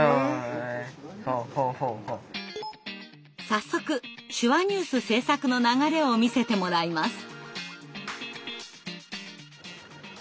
早速手話ニュース制作の流れを見せてもらいます。